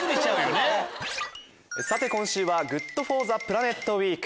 さて今週は「ＧｏｏｄＦｏｒｔｈｅＰｌａｎｅｔウィーク」。